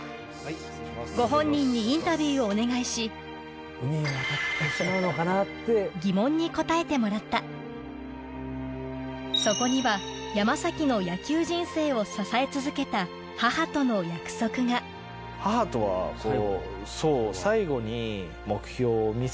ご本人にインタビューをお願いしギモンに答えてもらったそこには山の野球人生を支え続けた母との約束がに迫るやっぱり。